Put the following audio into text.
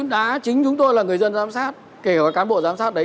đá chính chúng tôi là người dân giám sát kể cả cán bộ giám sát đấy